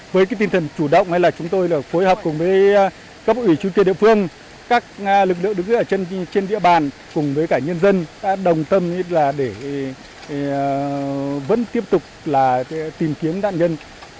với tinh thần chủ động chúng tôi phối hợp với các bộ ủy chú kia địa phương các lực lượng đứng trên địa bàn cùng với nhân dân đồng tâm để tiếp tục tìm kiếm đạn nhân